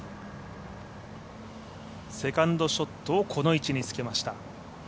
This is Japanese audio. セカンドショットをこの位置につけました。